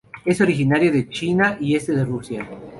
Es originario de China y este de Rusia.